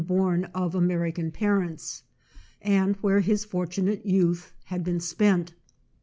"born of American parents, and where his fortunate youth had been spent.